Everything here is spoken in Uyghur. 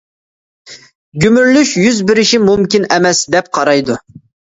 گۈمۈرۈلۈش يۈز بېرىشى مۇمكىن ئەمەس، دەپ قارايدۇ.